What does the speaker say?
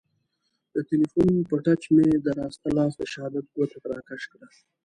د تیلیفون په ټچ مې د راسته لاس د شهادت ګوته را کش کړه.